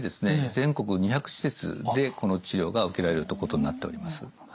全国２００施設でこの治療が受けられるってことになっております。